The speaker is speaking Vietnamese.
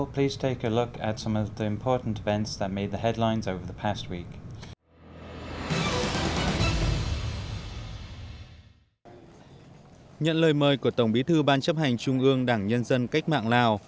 nhận lời mời của tổng bí thư ban chấp hành trung ương đảng nhân dân cách mạng lào